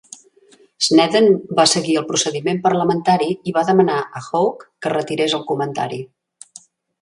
Snedden va seguir el procediment parlamentari i va demanar a Hawke que retirés el comentari.